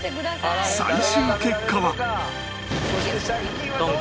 最終結果は